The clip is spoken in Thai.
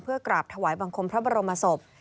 กราบถวายบังคมพระบรมศพ